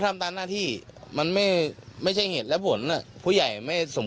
ทำตามหน้าที่มันไม่ใช่เหตุและผลผู้ใหญ่ไม่สม